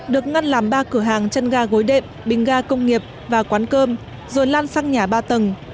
được ngăn làm ba cửa hàng chân ga gối đệm bình ga công nghiệp và quán cơm rồi lan sang nhà ba tầng